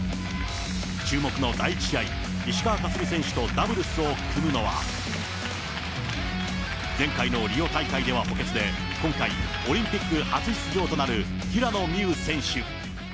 注目の第１試合、石川佳純選手とダブルスを組むのは、前回のリオ大会では補欠で、今回、オリンピック初出場となる平野美宇選手。